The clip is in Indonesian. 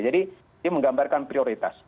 jadi dia menggambarkan prioritas